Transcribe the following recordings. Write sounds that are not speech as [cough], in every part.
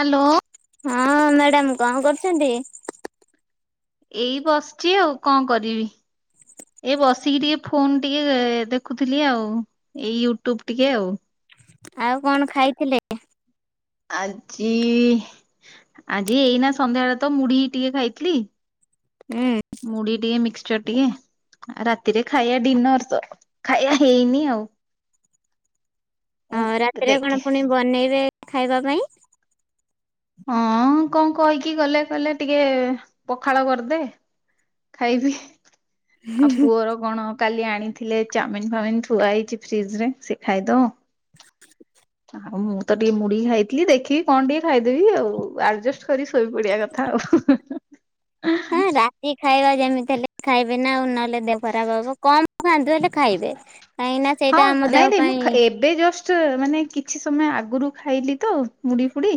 Hello. ହଁ madam କଣ କରୁଚନ୍ତି? ଏଇ ବସଚି ଆଉ କଣ କରିବି। ଏ ବସିକି ଟିକେ ଫୋନ ଟିକେ ଏ ଦେଖୁଥିଲି ଆଉ। ଏଇ ୟୁଟ୍ୟୁବ ଟିକେ ଆଉ। ଆଉ କଣ ଖାଇଥିଲେ? ଆଜିଇ ଆଜି ଏଇନା ସନ୍ଧ୍ୟାବେଳେ ତ ମୁଢିି ଟିକେ ଖାଇଥିଲି। ହୁଁ। ମୁଢି ଟିକେ ମିକ୍ସଚର ଟିକେ। ଆ ରାତିରେ ଖାଇବା ଡିନରସ ତ ଖାଇବା ହେଇନି ଆଉ। ହଁ ରାତିରେ ଦେଖେ କଣ ପୁଣି ବନେଇବେ ଖାଇବା ପାଇଁ? ହଁ କଣ କହିକି ଗଲେ କହିଲେ ଟିକେ ପଖାଳ କରିଦେ। ଖାଇବି। ଆଉ ପୁଅର କଣ କାଲି ଆଣିଥିଲେ ଚାଉମିନ ଫାଉମିିନ ଥୁଆ ହେଇଚି ଫ୍ରିଜ ରେ ସେ ଖାଇଦଉ। ଆଉ ମୁଁ ତ ଟିକେ ମୁଢି ଖାଇଥିଲି ଦେଖିବି କଣ ଟିକେ ଖାଇଦେବି ଆଉ ଆଡଜଷ୍ଟ କରି ଶୋଇ ପଡିବା କଥା ଆଉ। [inaudible] ଆଜି ଖାଇବା ଯେମିତି ହେଲେ ଖାଇବେ ନା ଆଉ ନହେଲେ ଦେହ ଖରାପ ହବ କମ। ଖାନ୍ତୁ ହେଲେ ଖାଇବେ କାହିଁକି ନା? ହଁ ସେଇଟା ଆମ ଦେହ ନାଇଁ ନାଇଁ ମୁଁ ପାଇଁ ଏବେ ଜଷ୍ଟ। ମାନେ କିଛି ସମୟ ଆଗରୁ ଖାଇଲି ତ ମୁଡି ଫୁଡି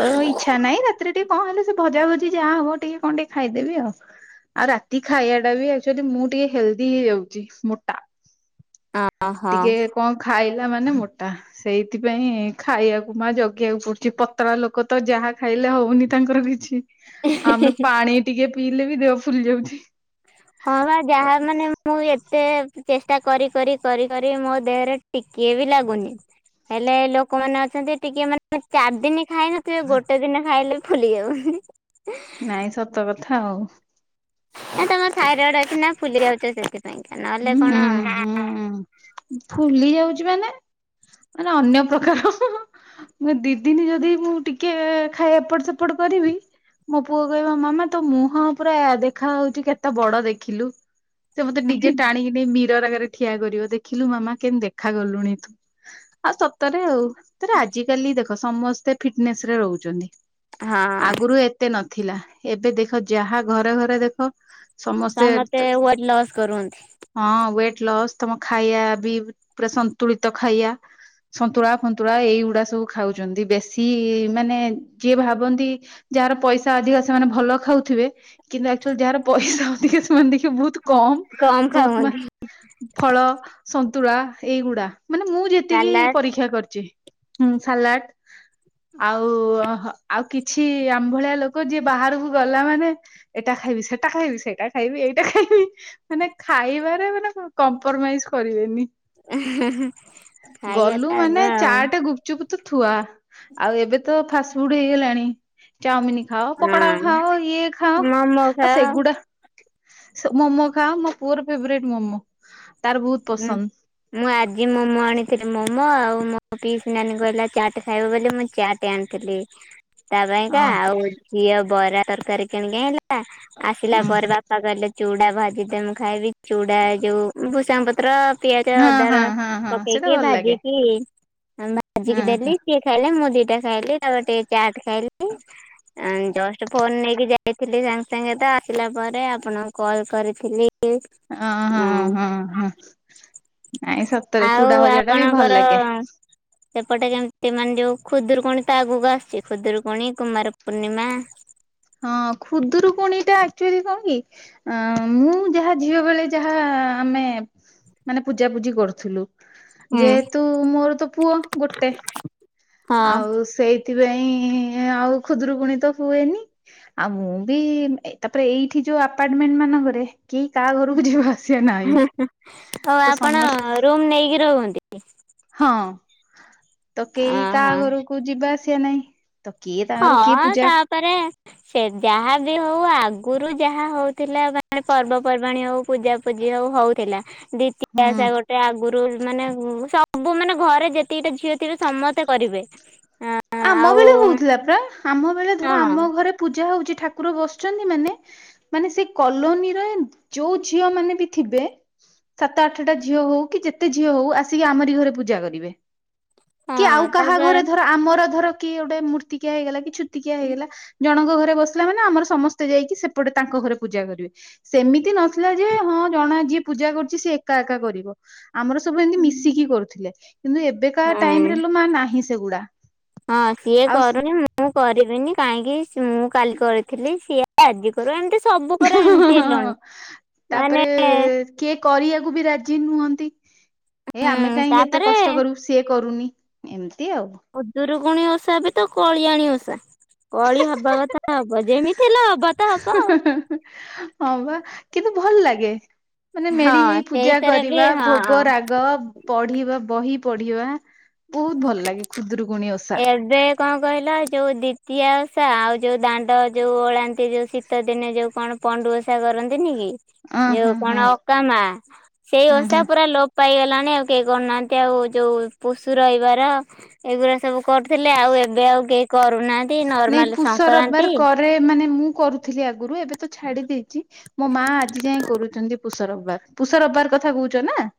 ତ ଏଇ। ଇଚ୍ଛା ନାଇଁ ରାତିରେ ଟିକେ କଣ ହେଲେ ସେ ଭଜା ଭଜି ଯାହା ହବ ଟିକେ କଣ ଟିକେ ଖାଇ ଦେବି ଆଉ। ଆଉ ରାତି ଖାଇବା ଟା ବି ଆକଚୁଆଲି ମୁଁ ଟିକେ ହେଲ୍ଦି ହେଇଯାଉଛି ମୋଟା। [inaudible] ଟିକେ କଣ ଖାଇଲା ମାନେ ମୋଟା। ସେଇଥିପାଇଁ ଖାଇବାକୁ ମା ଜଗିବାକୁ ପଡୁଛି ପତଳା ଲୋକ ତ ଯାହା ଖାଇଲେ ହଉନି ତାଙ୍କର କିଛି। ଆମେ ପାଣି ଟିକେ ପିଇଲେ ବି ଦେହ ଫୁଲି ଯାଉଛି। ହଁ ବା ଯାହା ମାନେ। ମୁଁ ଏତେ ଚେଷ୍ଟା କରି କରି କରି କରି ମୋ ଦେହରେ ଟିକେ ବି ଲାଗୁନି। ହେଲେ ଲୋକମାନେ ଅଛନ୍ତି ଟିକେ ମାନେ। ଚାରି ଦିନ ଖାଇନଥିବେ ଗୋଟେ ଦିନ ଖାଇଲେ ଫୁଲି ଯାଉ। ନାଇଁ ସତ କଥା ଆଉ। ଏ ତମ ଥାଇରଏଡ ଅଛି ନା ଫୁଲି ଯାଉଛ ସେଥିପାଇଁକା ନହେଲେ ହୁଁ କଣ। ହୁଁ ଫୁଲି ଯାଉଛି ମାନେ ମାନେ ଅନ୍ୟ ପ୍ରକାର। ମୁଁ ଦି ଦିନ ଯଦି ମୁଁ ଟିକେ ଖାଇ ଏପଟ ସେପଟ କରିବି। ମୋ ପୁଅ କହିବ ମାମା ତ ମୁଁହ ପୁରା ଦେଖା ହଉଛି କେତେ ବଡ ଦେଖିଲୁ। ସେ ମତେ ନିଜେ ଟାଣିକି ନେଇ ମୀରର୍ ଆଗରେ ଠିଆ କରିବ ଦେଖିଲୁ ମାମା କେମତି ଦେଖା ଗଲୁଣି ତୁ। ଆଉ ସତରେ ଆଉ। ତରେ ଆଜିକାଲି ଦେଖ ସମସ୍ତେ ଫିଟନେସ୍ ରେ ରହୁଛନ୍ତି ହଁ ଆଗରୁ ଏତେ ନଥିଲା ଏବେ ଦେଖ ଯାହା ଘରେ ଘରେ ଦେଖ। ସମସ୍ତେ ୱେଟ ଲସ୍ କରୁଅନ୍ତି। ହଁ ୱେଟ ଲସ୍ ତମ ଖାଇବା ବି ପୁରା ସନ୍ତୁଳିତ ଖାଇବା। ସନ୍ତୁଳା ଫନ୍ତୁଳା ଏଇଗୁଡା ସବୁ ଖାଉଛନ୍ତି ବେଶୀ ମାନେ ଯିଏ ଭାବନ୍ତି। ଯାହାର ପଇସା ଅଧିକା ସେମାନେ ଭଲ ଖାଉଥିବେ। କିନ୍ତୁ ଆକ୍ଚୁଆଲି ଯାହାର ପଇସା ଅଧିକ ସେମାନେ ଦେଖିବ ବହୁତ କମ ବହୁତ ମ ଫଳ ସନ୍ତୁଳା ଏଇଗୁଡା ମାନେ ମୁଁ ଯେତିକି ସାଲାଡ ପରୀକ୍ଷା କରିଛି ସାଲାଡ। ଆଉ ଆଉ କିଛି ଆମ୍ଭଳିଆ ଲୋକ ଯିଏ ବାହାରକୁ ଗଲା ମାନେ ଏଇଟା ଖାଇବି ସେଟା ଖାଇବି ସେଇଟା ଖାଇବି ଏଇଟା ଖାଇବି ମାନେ ଖାଇବାରେ ମାନେ କମ୍ପ୍ରମାଇଜ କରିବେନି। ଖାଇବା ତ ଗଲୁ ମାନେ ଆଗ ଆଉ ଚାଟ୍ ଗୁପଚୁପ ତ ଥୁଆ ଆଉ ଏବେ ତ ଫାଷ୍ଟ ଫୁଡ ହେଇଗଲାଣି। ଚାଓମିିନ ଖାଅ ପକୋଡା ହଁ ଖାଅ ଇଏ ଖାଅ ମୋମୋ ଆ ଖାଅ ସେଗୁଡା। ମୋମୋ ଖାଅ ମୋ ପୁଅର ଫେବରେଟ ମୋମୋ ତାର ବହୁତ ହୁଁ। ପସନ୍ଦ। ମୁଁ ଆଜି ମୋମୋ ଆଣିଥିଲି ମୋମୋ ଆଉ ମୋ ପିସ ନାନୀ କହିଲା ଚାଟ୍ ଖାଇବ ବୋଲି ମୁଁ ଚାଟ୍ ଆଣିଥିଲି ତା ଓ ପାଇଁକା ଆଉ ଝିଅ ବରା ତରକାରୀ କିଣିକି ଆଣିଲା। ଆସିଲା ହୁଁ ପରେ ବାପା କହିଲେ ଚୁଡା ଭାଜିଦେ ମୁଁ ଖାଇବି ଚୁଡା ଯୋଉ ଭୁସାଙ୍ଗ ପତ୍ର ପିଆଜ ହଁ ଅଦାର ହଁ ହଁ ହଁ ସେଇଟା ପକେଇକି ଭଲ ଲାଗେ। ଭାଜିକି ହଁ ଭାଜିକି ହଁ ଦେଲି ସିଏ ଖାଇଲେ ମୁ ଦିଟା ଖାଇଲି ତାପରେ ଟିକେ ଚାଟ ଖାଇଲି। ଜଷ୍ଟ ଫୋନ ନେଇକି ଯାଇଥିଲି ସାଙ୍ଗେ ସାଙ୍ଗେ ତ ଆସିଲା ପରେ ଆପଣଙ୍କୁ କଲ୍ କରିଥିଲି। ହ ହଁ ହଁ ହଁ। ନାଇଁ ସତରେ ଆଉ ଚୁଡା ଭଜା ଟା ବି ଭଲ ଆପଣଙ୍କର ଲାଗେ। ସେପଟେ ଯେମିତି ମାନେ ଯୋଉ ଖୁଦୁରୁକୁଣୀ ତ ଆଗକୁ ଆସିଛି ଖୁଦୁରୁକୁଣୀ କୁମାର ପୂର୍ଣ୍ଣିମା। ହଁ କୁଦୁରୁକୁଣି ଟା ଆକଚୁଆଲି କଣ କି? ଆଁ ମୁଁ ଯାହା ଝିଅ ବେଳେ ଯାହା ଆମେ ମାନେ ପୂଜା ପୂଜି କରଥୁଲୁ। ହୁଁ। ଯେହେତୁ ମୋର ତ ପୁଅ ଗୋଟେ ହଁ ଆଉ ସେଇଥିପାଇଁ ଆଉ ଖୁଦୁରୁକୁଣୀ ତ ହୁଏନି। ଆଉ ମୁଁ ବି ତାପରେ ଏଇଠି ଯୋଉ ଆପାର୍ଟମେଣ୍ଟ ମାନଙ୍କରେ କିଏ କା ଘରକୁ ଯିବା ଆସ ହୁଁହୁ ହୋଉ ଆପଣ ସମସ୍ତ ରୁମ୍ ନେଇକି ରୁହନ୍ତି। ହଁ ତ କେଇ କାଆ ଅହ ଘରକୁ ଯିବା ଆସିବା ନାଇଁ। ହଁ ତାପରେ ସେ ଯାହା ବି ହଉ ଆଗୁରୁ ଯାହା ହୋଉଥିଲା ପର୍ବପର୍ବାଣି ହଉ ପୂଜା ପୂଜି ହୋଉ ହୋଉଥିଲା ଦ୍ଵିତୀୟା ହୁଁ। ଓଷା ଗୋଟେ ଆଗୁରୁ ମାନେ ଉ ସବୁ ମାନେ ଘରେ ଯେତିକିଟା ଝିଅ ଥିବେ ସମସ୍ତେ କରିବେ ଆଁ। ଆମ ବେଳେ ହୋଉଥିଲା ପରା ଆମ ବେଳେ ଧର ହଁ ଆମ ଘରେ ପୂଜା ହୋଉଚି ଠାକୁର ବସଚନ୍ତି ମାନେ ମାନେ ସେ କଲୋନୀର ଯୋଉ ଝିଅ ମାନେ ବି ଥିବେ ସାତ ଆଠଟା ଝିଅ ହୋଉ କି ଯେତେ ଝିଅ ହୋଉ ଆସିକି ଆମରି ଘରେ ପୂଜା କରିବେ। କି ଆଉ ହଁ କାହା ତାପରେ ଘରେ ଧର ଆମର ଧର କି ଗୋଟେ ମୂର୍ତ୍ତିକିଆ ହେଇଗଲା କି ଛୁ ତିିକିଆ ହେଇଗଲା ଜଣଙ୍କ ଘରେ ବସିଲା ମାନେ ଆମର ସମସ୍ତେ ଯାଇକି ସେପଟେ ତାଙ୍କ ଘରେ ପୂଜା କରିବେ। ସେମିତି ନଥିଲା ଯେ ହଁ ଜଣା ଯିଏ ପୂଜା କରୁଚି ସିଏ ଏକା ଏକା କରିବ। ଆମର ସବୁ ଏମିତି ମିଶିକି କରୁଥିଲେ। କିନ୍ତୁ ଏବେକା ହଁ ଟାଇମରେ ଲୋ ମା ନାହିଁ ସେଗୁଡା। ହଁ ସିଏ ଆଉ କରୁନି ମୁଁ କରିବିନି କାହିଁକି ସି ମୁଁ କାଲି କରିଥିଲି ସିଏ ଆ ଆଜି କରୁ ଏମତି ସବୁ ପରେ ଏମତି ଏଲଣି ତାପରେ ମାନେ କିଏ କରିବାକୁ ବି ରାଜି ନୁହନ୍ତି। ଏ ଆମେ ହୁଁ କାହିଁକି ଏତେ ତାପରେ କଷ୍ଟ କରୁବୁ ସି ସିଏ କରୁନି ଏମତି ଆଉ ଖୁଦୁରୁକୁଣୀ ଓଷା ବିତ କଳିଆଣି ଓଷା। କଳି ହବା କଥା ହବ ଯେମିତି ହେଲେ ହବ। ତ ଆଉ। ହଁ ବା କିନ୍ତୁ ଭଲ ଲାଗେ। ମାନେ ମେଳି ହଁ ହେଇ ପୂଜା ସେଇଥିରେ ବି କରିବା ହଁ। ଭୋଗ ରା ଗ ପଢିବା ବହି ପଢିବା ବହୁତ ଭଲ ଲାଗେ ଖୁଦୁରୁକୁୁଣୀ ଓଷା। ଏବେ କଣ କହିଲ ଯୋଉ ଦ୍ଵିତୀୟ ଓଷା ଆଉ ଯୋଉ ଦାଣ୍ଡ ଯୋଉ ଓଳାନ୍ତି ଯୋଉ ଶୀ ଶୀତ ଦିନେ ଯୋଉ କଣ ପଣ୍ଡୁଓଷା କରନ୍ତିନି କି? ଅଁ ହଁ ଯୋଉ ହଁ କଣ ଅକା ମା, ସେଇ ହଁ ଓଷା ହଁ। ପୁରା ଲୋ ପାଇଗଲାଣି ଆଉ କେଇ କରନାଆନ୍ତି ଆଉ ଯୋଉ ପୁଷୁ ରଇବାର ଦ ଏଗୁରା ସବୁ କରୁଥିଲେ, ଆଉ ଏବେ ଆଉ କେହି କରୁନାହାନ୍ତି ନର୍ମାଲ ସଂକ୍ରାନ୍ତି। ରେ ମାନେ ମୁଁ କରୁଥିଲି ଆଗରୁ ଏବେ ତ ଛାଡି ଦେଇଚି। ମୋ ମା ଆଜି ଯାଏଁ କରୁଚନ୍ତି ପୁଷ ରବବାର। ପୁଷ ରବବାର କଥା କହୁଚ ନାଁ?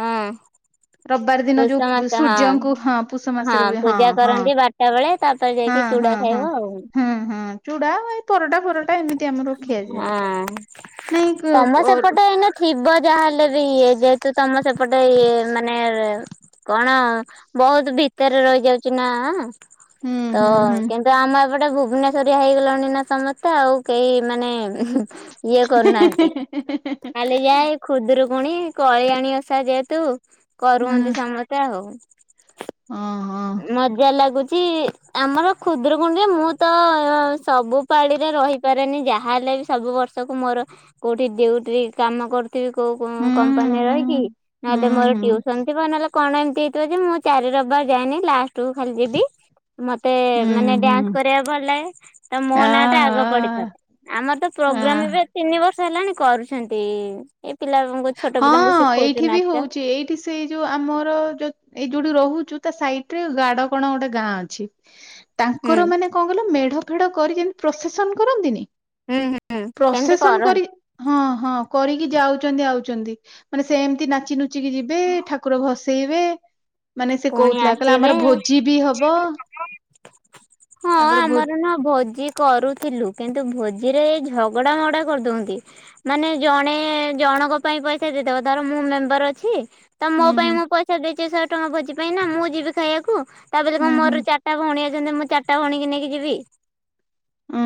ଅଁ ଯୋଉ ପୁଷମାସ ହଁ। ସୂର୍ଯ୍ୟଙ୍କୁ ହଁ ପୁଷ ମାସରେ ହଁ ହୁଏ ପୂଜା କରନ୍ତି ବାରଟା ବେଳେ, ତାପରେ ଯାଇକି ଚୁଡା ହଁ ହଁ ଖାଇବ ଆଉ। ହଁ ହଁ ଚୁଡା ଏଇ ପରଟା ଫରଟା ଏମିତି ଆମର ଖିଆଯାଏ। ହଁ ନାଇଁ କ ତମ କର ସେପଟେ ଏଇନା ଥିବ ଯାହାହେଲେ ବି ଇଏ ଯେହେତୁ ତମ ସେପଟେ ଇଏ ମାନେ ଏ କଣ ବୋହୁତ୍ ଭିତରେ ରହିଯାଉଚି ନାଆଁ। ହୁଁ ତ ହୁଁ ହୁଁ। କିନ୍ତୁ ଆମର ଏପଟେ ଭୁବନେଶ୍ୱରିଆ ହେଇଗଲଣି ନା ସମସ୍ତେ, ଆଉ କେହି ମାନେ ଇଏ କରୁନାହାନ୍ତି। ଖାଲି ଯାହା ଏଇ ଖୁଦୁରୁକୁୁଣି, କଳି ଆଣି ଓଷା ଯେହେତୁ କରୁଅନ୍ତି ସମସ୍ତେ ଆଉ। ହଁ। ମଜା ଲାଗୁଚି। ଆମର ଖୁଦୁରୁକୁଣିରେ ମୁଁ ତ ସବୁ ପାଳିରେ ରହିପାରେନି ଯାହା ହେଲେ ବି ସବୁ ବର୍ଷ ଷ କୁ ମୋର କୋଉଠି ଡିଉଟ୍ରି କାମ କ ନ୍ତି। କୋଉ, କୋଉ କମ୍ପାନୀରେ ରହିକି, ନହେଲେ ମୋର ଟ୍ୟୁସନ୍ ଥିବ, ନଲେ କଣ ଏମତି ହେଇଥିବ ଯେ ମୁଁ ଚାରି ରବିବାର ଯାଇନି। ଲାଷ୍ଟ କୁ ଖାଲି ଯିବି। ମତେ ହୁଁ, ମାନେ ହୁଁ। ଡ୍ୟାନ୍ସ କରିବାକୁ ଭଲ ଲାଗେ। ତ ମୋ ନାଁ ଟା ଆହା! ଆଗ ପଡିଥିବ। ଆମର ତ ପ୍ରୋଗ୍ରାମ୍ ଏବେ ତିନି ବର୍ଷ ହେଲାଣି କରୁଛନ୍ତି। ଏ ପିଲାଙ୍କୁ ଛୋଟ ପିଲାଙ୍କୁ ଶିଖଉଛୁ ନାଚ। କି ସେଇ ଯୋଉ ଆମର ଯ ଏଇ ଯୋଉଠି ରହୁଛୁ ତା ସାଇଟ୍ ରେ ଗାଡ କଣ ଗୋଟେ ଗାଁ ଅଛି। ହୁଁ ତାଙ୍କର ମାନେ କଣ କଇଲ ମେଢ ଫେଢ କରି ଯେମିତି ପ୍ରଶେସନ କରନ୍ତିନି ହୁଁ ହୁଁ ସେମିତି ପ୍ରଶେସନ୍ କରନ୍ତି କରି ହଁ ହଁ କରିକି ଯାଉଛନ୍ତି ଆଉଛନ୍ତି। ମାନେ ସେମିତି ନାଚି ନୁଚିକି ଯିବେ ଠାକୁର ଭସ ସେଇବେ। ମାନେ ସେ ପୁଣି କହୁଥିଲା, କହିଲା ଆମର ଆସିବେ ଭୋଜି ବି ହବ। ହଁ ତାଙ୍କର ଭୋ ଆମର ନା ଭୋଜି କରୁଥିଲୁ। କିନ୍ତୁ ଭୋଜିରେ ଏ ଝଗଡା ମଗଡା କରିଦନ୍ତି। ମାନେ ଜଣେ ଜଣଙ୍କ ପାଇଁ ପଇସା ଦେଇଦବ, ଧର ମୁଁ ମେମ୍ବର ଅଛି ତ ମୋ ହୁଁ ପାଇଁ ହୁଁ ମୁଁ ପଇସା ଦେଇଛିି ଶହେ ଟଙ୍କା ଭୋଜି ପାଇଁ ନା ମୁଁ ଯିବି ଖାଇବାକୁ। ତାବୋଲି କଣ ହୁଁ ହୁଁ ମୋର ଚାରିଟା ଭଉଣୀ ଅଛନ୍ତି। ମୁଁ ଚାରିଟା ଭଉଣୀ କି ନେଇକି ଯିବି।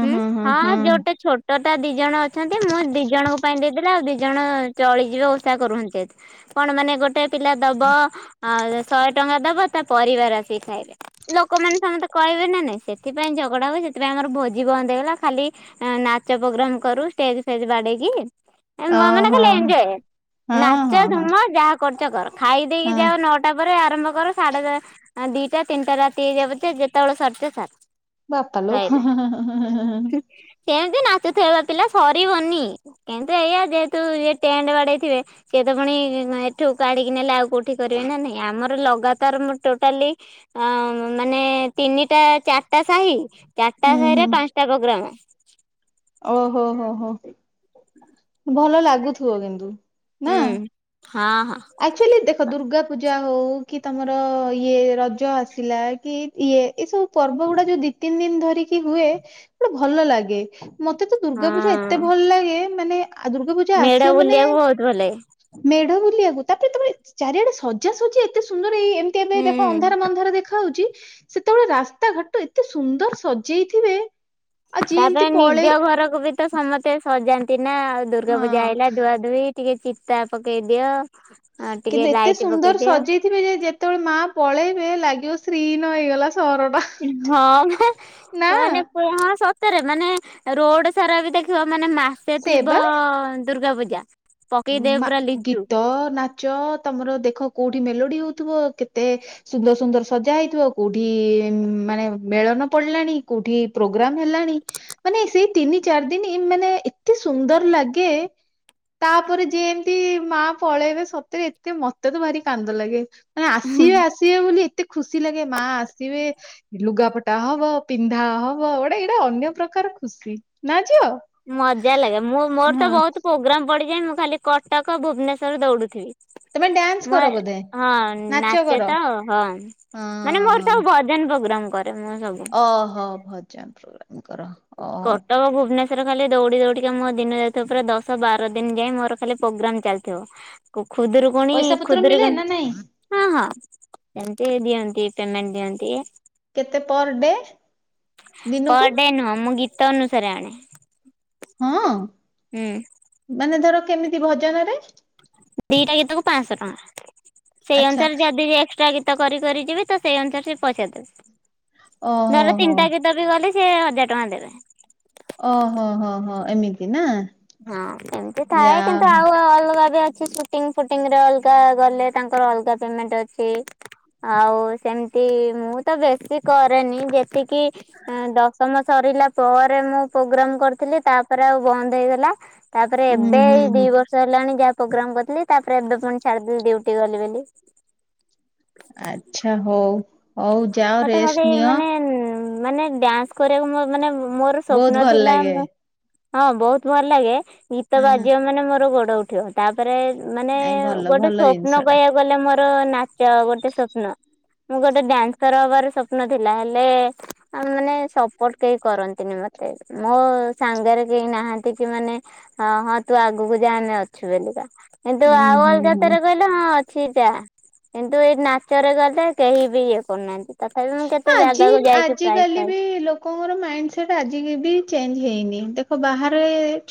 ଉଁ ହୁଁ ହଁ ହୁଁ ହୁଁ ଯୋଉଟା ଛୋ ଟଟା ଦି ଜଣ ଅଛନ୍ତି। ମୁଁ ଦି ଜଣଙ୍କ ପାଇଁ ଦେଇଦେଲେ ଆଉ ଦି ଜଣ ଚଳିଯିବେ, ଓଷା କରୁନାହାନ୍ତି ଯେହେତୁ। କଣ ମାନେ ଗୋଟେ ପିଲା ଦବ ଆ ଶହେ ଟଙ୍କା ଦବ ତା ପରିବାର ଆସିକି ଖାଇଲେ। ଲୋକମାନେ ସମତେ କହିବେ ନା ନାଇଁ? ସେଥିପାଇଁ ଝଗଡା ହୁଏ। ସେଥିପାଇଁ ଆମର ଭୋଜି ବନ୍ଦ ହେଇଗଲା। ଖାଲି ନାଚ ପ୍ରୋଗ୍ରାମ କରୁ, ଷ୍ଟେଜ ଫେଜ୍ ବାଡେଇକି। ଏ ମା ମାନେ ଓହୋ ଖାଲି ଏଞ୍ଜୟ, ହଁ ହଁ ନାଚ ହଁ ଧୁମ ଯାହା କରୁଛ କର, ଖାଇଦେଇକି ହଁ ଯାଅ ନଅ ଟା ପରେ ଆରମ୍ଭ କର। ସାଢେ ଦିଟା ତିନିଟା ରାତି ହେଇଯାଉ ପଛେ ଯେତେବେଳେ ସରୁଛ ସାର୍। ବାପା ଲୋ, ହାଁ, ହାଁ, ହାଁ, ହାଁ ସେମିତି ନାଚୁଥିବେ ବା ପିଲା ସରିବନି। କିନ୍ତୁ ଏଇଆ ଯେହେତୁ ଏ ଟେଣ୍ଟ ବାଡେଇଥିବେ, ସିଏ ତ ଫୁଣି ଏଠୁ କାଢିକି ନେଲେ ଆଉ କୋଉଠି କରିବେ ନା ନାଇଁ। ଆମର ଲଗାତାର ମୁ ଟୋଟାଲି ମାନେ ଅଁ ତିନିଟା ଚାରିଟା ସାହି ଚାରିଟା ହୁଁ ସାହିରେ ପାଞ୍ଚଟା ପ୍ରୋଗ୍ରାମ। ଓହୋ ହୋ ହୋ, ଭଲ ଲାଗୁଥିବ କିନ୍ତୁ ନା? ହୁଁ। ହଁ ହଁ। ଆକଚୋଲି ଦେଖ ଦୁର୍ଗା ପୂଜା ହୋଉ କି ତମର ଇଏ ରଜ ଆସିଲା କି ଇଏ ଏଇ ସବୁ ପର୍ବ ଗୁଡା ଯୋଉ ଦି ତିନି ଦିନି ଧରିକି ହୁଏ ଗୋଟେ ଭଲ ଲାଗେ। ମତେ ତ ଦୁର୍ଗା ପୂଜା ଏତେ ହଁ ଭଲ ଲାଗେ ମାନେ ଆ ଦୁର୍ଗା ପୂଜା ମେଢ ଆସିବ ମାନେ ବୁଲିବାକୁ ବହୁତ ଭଲ ଲାଗେ। ମେଢ ବୁଲିବାକୁ ତାପରେ ତମେ ଚାରିଆଡେ ସ ଜା ସୁଜି ଏତେ ସୁନ୍ଦର ଏଇ ଏମତି ଏବେ ହୁଁ ଦେଖ ଅନ୍ଧାର ମନ୍ଧାର ଦେଖାଯାଉଚି ସେତୋବେଳେ ରାସ୍ତା ଘାଟ ଏତେ ସୁନ୍ଦର ସଜେଇଥିବେ ଆଉ ଯିଏ ତାପରେ ଏମିତି ନିଜ ପଳେଇ ଘରକୁ ବି ତ ସମସ୍ତେ ସଜାନ୍ତି ନା ଆଉ ଦୁର୍ଗା ହଁ ପୂଜା ଆଇଲା ଧୁଆ ଧୁଇ ଟିକେ ଚିତା ପକେଇ ଦିଅ ଅ ଟିକେ ଲାଇଟ୍ ପକେଇ ଦିଅ। ଥିବେ ଯେ ଯେତେବେଳେ ମା ପଳେଇବେ ଲାଗିବ ଶ୍ରୀହିନ ହେଇଗଲା ସହରଟା। ହଁ ପା ନା ମାନେ ପୁ ହଁ ସତରେ ମାନେ ରୋଡ ସାରା ବି ଦେଖ୍ ଖିବ ମାନେ ମାସେ ସେ ବା ଥିବ ଦୁର୍ଗା ପୂଜା ପକେଇଦେବେ ମା ପୁରା ଲିଚୁ। ଗୀତ ନାଚ ତମର ଦେଖ କୋଉଠି ମେଲୋଡି ହୋଉଥୁବ କେତେ ସୁନ୍ଦର ସୁନ୍ଦର ସଜା ହେଇଥିବ କୋଉଠି ମାନେ ମେଳନ ପଡିଲାଣି କୋଉଠି ପ୍ରୋଗ୍ରାମ ହେଲାଣି। ମାନେ ସେଇ ତିନି ଚାରି ଦିନ ମାନେ ଏତେ ସୁନ୍ଦର ଲାଗେ ତାପରେ ଯେମିତି ମାଆ ପଳେଇବେ ସତରେ ଏତେ ମତେ ତ ଭାରି କାନ୍ଦ ଲାଗେ। ମାନେ ଆସିବେ ଆସିବେ ବୋଲି ଏତେ ଖୁସି ଲାଗେ ମାଆ ଆସିବେ ଲୁଗାପଟା ହବ ପିନ୍ଧା ହବ ଗୋଟେ ଏଟା ଅନ୍ୟ ପ୍ରକାର ଖୁସି ନା ଝିଅ। ମଜା ଲାଗେ ମୁଁ ମୋର ତ ହଁ, ବୋହୁତ ପ୍ରୋଗ୍ରାମ ପଡିଯାଏ ମୁଁ ଖାଲି କଟକ ଭୁବନେଶ୍ଵର ଦୌଡୁଥିବି। ତମେ ଡ୍ୟାନ୍ସ ମୋ କର ବୋଧେ ହଁ ନାଚ ନାଚେ କର ତ ହଁ ମାନେ ମୋର ହଁ ସବୁ ଭ ଭଜନ ପ୍ରୋଗ୍ରାମ କରେ ମୁଁ ସବୁ। ଓହୋ ଭଜନ ପ୍ରୋଗ୍ରାମ କର। କଟକ ଭୁବନେଶ୍ ଶ୍ୱର ଖାଲି ଦୌଡ଼ି ଦୌଡିକା ମୋ ଦିନ ଯାଇଥିବ ପୁର ଦଶ ବାର ଦିନ ଯାଏଁ ମୋର ଖାଲି ପ୍ରୋଗ୍ରାମ ଚାଲଥିବ। କୁ ଖୁଦରୁ କୁଣି ପଇସା ପତ୍ର ଖୁଦରୁ ମିଳେ କୁଣ୍ ନା ନାଇଁ? ହଁ ହଁ ସେମତି ଦିଅନ୍ତି ପେମେଣ୍ଟ୍ ଦିଅନ୍ତି। କେତେ ପର୍ ଡେ ପର ଦିନୁକୁ? ଡେ ନୁହଁ ମୁଁ ଗୀତ ଅନୁସାରେ ଆଣେ। ହଁ। ହୁଁ। ମାନେ ଧର କେମିତି ଭଜନରେ? ଦିଇଟା ଗୀତକୁ ପାଂଶ ଟଙ୍କା ସେଇ ଆଚ୍ଛା ଅନୁସାରେ ଯଦି ଏକ୍ସଟ୍ରା ଗୀ ତ କରି କରି ଯିବି ତ ସେଇ ଅନୁସାରେ ସେ ପଇସା ଦେବେ ଓହୋ ଧର ହୋ ତିନିଟା ଗୀ ତ ବି ଗଲେ ସିଏ ହଜାର ଟଙ୍କା ଦେବେ। ଓହୋ ହୋ ହୋ ଏମିତି ନା। ହଁ ଏମତି ଯା ଥାଏ କିନ୍ତୁ ଆଉ ଅଲଗା ବି ଅଛି ସୁ୍ ଟିଙ୍ଗ୍ ଫୁଟିଙ୍ଗରେ ଅଲଗା ଗଲେ ତାଙ୍କର ଅଲଗା ପେମେଣ୍ଟ୍ ଅଛି। ଆଉ ସେମତି ମୁଁ ତ ବେଶୀ କରେନି ଯେତିକି ଉଁ ଦଶମ ସରିଲା ପରେ ମୁଁ ପ୍ରୋଗ୍ରାମ କରିଥିଲି ତାପରେ ଆଉ ବନ୍ଦ ହେଇଗଲା ତାପରେ ହୁଁ ଏବେ ହୁଁ ଏଇ ଦି ହୁଁ ବର୍ଷ ହେଲାଣି ଯାହା ପ୍ରୋଗ୍ରାମ କରିଥିଲି ତାପରେ ଏବେ ପୁଣି ଛାଡିଦି ଡ୍ୟୁଟି ଗଲି ବୋଲି। ଆଚ୍ଛା ହୋଉ ହୋଉ ଯାଅ ମତେ ଖାଲି ରେଷ୍ଟ୍ ନିଅ। ମାନେ ମାନେ ଡ୍ୟାନ୍ସ୍ କରିବାକୁ ମୋ ମାନେ ମୋର ବହୁତ ସ୍ୱପ୍ନ ଭଲ ଥିଲା ଲାଗେ ମୁଁ ହଁ ବୋହୁତ୍ ଭଲ ଲାଗେ ଗୀତ ହୁଁ ହୁଁ ବାଜିବ ମାନେ ମୋର ଗୋଡ ଉଠିବ ହ ତାପରେ ମାନେ ନାଇଁ ଭଲ ଗୋଟେ ଭଲ ସ୍ୱପ୍ନ ଜିନିଷ ଟା କହିବାକୁ ଗଲେ ମୋର ନାଚ ଗୋଟେ ସ୍ୱପ୍ନ। ମୁଁ ଗୋଟେ ଡ୍ୟାନ୍ସର ହବାର ସ୍ୱପ୍ନ ଥିଲା ହେଲେ ଆଉ ମାନେ ସପୋର୍ଟ କେହି କରନ୍ତିନି ମତେ ମୋ ସାଙ୍ଗରେ କେହି ନାହାନ୍ତି କି ମାନେ ହଁ ହଁ ତୁ ଆଗକୁ ଯାଆନା ଅଛୁ ବୋଲିକା କିନ୍ତୁ ହୁଁ ଆଉ ହୁଁ ଅଲଗା ହୁଁ ତାର ଗଲେ ହଁ ଅଛି ଯାଆ କିନ୍ତୁ ଏଇ ନାଚରେ ଗଲେ କେହି ବି ଇଏ କରୁନାହାନ୍ତି ତଥାପି ମୁଁ କେତେ ଆଜି ଜାଗାକୁ ଯାଇକି ପ୍ରାଇଜ୍ ଆଜିକାଲି ପାଏ। ବି ଲୋକଙ୍କର ମାଇଣ୍ଡ୍ ସେଟ୍ ଆଜିକି ବି ଚେଞ୍ଜ୍ ହେଇନି ଦେଖ ବାହାରେ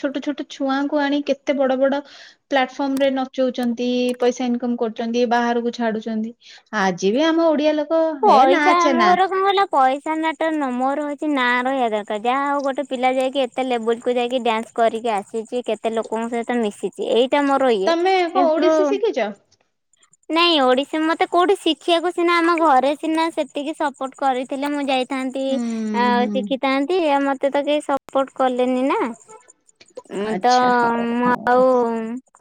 ଛୋଟ ଛୋଟ ଛୁଆଙ୍କୁ ଆଣି କେ ଏତେ ବଡ ବଡ ପ୍ଲାଟଫର୍ମ ରେ ନଚଉଚନ୍ତି, ପଇସା ଇନ୍କମ୍ କରୁଚନ୍ତି, ବାହାରକୁ ଛାଡୁଛନ୍ତି। ଆଜି ବି ଆମ ଓଡିଆ ଲୋ ପଇସା ଆମ ଘର କଣ ହେଲା ପଇସା ମେଟର୍ ନୁହଁ, ମୋର ହଉଛି ନାଁ ରହିବା ଦରକାର, ଯାହା ହଉ ଗୋଟେ ପିଲା ଯାଇକି ଏତେ ଲେବୁଲ୍ କୁ ଯାଇକି ଡ୍ୟାନ୍ସ କରିକି ଆସିଛି କେତେ ଲୋକଙ୍କ ସହିତ ମିଶି ଚି, ଏଇଟା ମୋର ଇଏ ତମେ କଣ କିନ୍ତୁ ଓଡିଶୀ ଶିଖିଛ ନାଇଁ ଓଡିଶୀ ମୋତେ କୋଉଠି ଶିଖିବାକୁ ସିନା ଆମ ଘର ରେ ସିନା ସେତିକି ସପୋର୍ଟ କରିଥିଲେ ମୁଁ ଯାଇଥାନ୍ତି ହୁଁ ଆଉ ହୁଁ ଶିଖିଥାନ୍ତି, ଆଉ ମୋ ତେ ତ କେହି ସପୋର୍ଟ କଲେନି ନା, ଉଁ, ତ ଆଚ୍ଛା ହଉ ମୁଁ ହଉ ଆଉ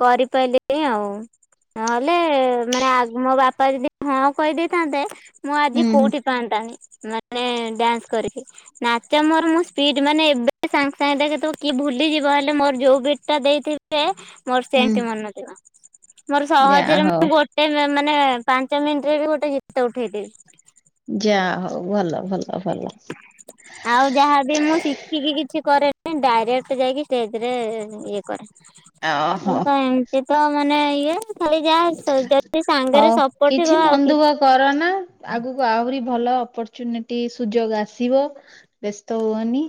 କରିପାଇଲିନି ଆଉ। ନହେଲେ ମାନେ ଆ, ମୋ ବାପା ଯଦି ହଁ କହିଦେଇଥାନ୍ତେ ମୁଁ ଆଜି ହୁଁ ହୁଁ କୋଉଠି ଥାଆନ୍ତାଣି ମାନେ ଡ୍ୟାନ୍ସ କରିକି। ନାଚ ମୋର ମୁଁ ସ୍ପିଡ୍ ମାନେ ଏବେ ସାଙ୍ଗେ ସାଙ୍ଗେ ଦେଖେ ତୁ କି ଭୁଲିଯିବ, ହେଲେ ମୋର ଯୋଉ ବିଟ୍ ଟା ଦେଇଥି ବେ ମୋର ହୁଁ ସେମତି ମନେ ଥିବ ମୋର ଯା ସହଜରେ ହଉ ମୁଁ ଗୋ ଏଇ ମେ ମାନେ ପାଞ୍ଚ ମିନିଟ୍ ରେ ବି ଗୋଟେ ଗୀତ ଉଠେଇଦେବି। ଯାହା ହଉ ଭଲ ଭଲ ଭଲ। ଆଉ ଯାହାବି ମୁଁ ଶିଖିକି କିଛି କରେନି ଡାଇରେକ୍ଟ୍ ଯାଇକି ଷ୍ଟେଜ୍ ରେ ଇଏ କରେ। [unintelligible] ଓହୋ ଏମତି ତ ମାନେ ଇଏ ଖାଲି ଯାହା ସ-ଯଦି ସାଙ୍ଗରେ ହଉ ସର୍ପଟ କିଛି ଥିବ ମନ ଆଉ କିଛି ଦୁଃଖ କରନା ଆଗକୁ ଆହୁରି ଭଲ ଅପର୍ଚୁନିଟି ସୁଯୋଗ ଆସିବ। ବେସ୍ତ ହୁଅନି।